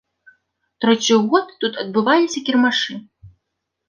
Тройчы ў год тут адбываліся кірмашы.